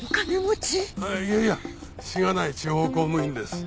いやいやしがない地方公務員です。